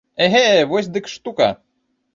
Эге, вось дык штука.